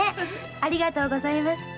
ありがとうございます。